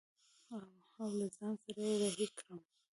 او له ځان سره يې رهي کړم.